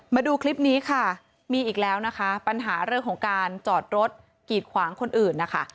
มาดูคลิปนี้ค่ะมีอีกแล้วนะคะปัญหาเรื่องของการจอดรถกีดขวางคนอื่นนะคะ